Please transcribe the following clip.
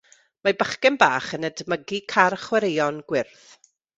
Mae bachgen bach yn edmygu car chwaraeon gwyrdd.